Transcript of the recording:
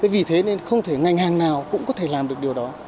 vì thế nên không thể ngành hàng nào cũng có thể làm được điều đó